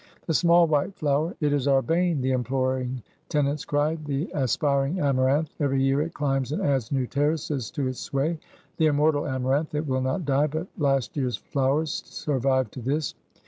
"The small white flower, it is our bane!" the imploring tenants cried. "The aspiring amaranth, every year it climbs and adds new terraces to its sway! The immortal amaranth, it will not die, but last year's flowers survive to this!